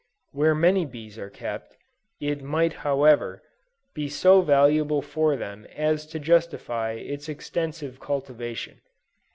Where many bees are kept, it might however, be so valuable for them as to justify its extensive cultivation.